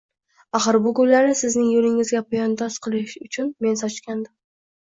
Axir bu gullarni sizning yo`lingizga poyandoz qilish uchun men sochgandim